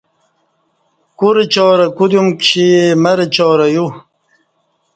کورہ چارں کودیوم کِشی مر چارں یو